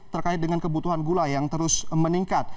terkait dengan kebutuhan gula yang terus meningkat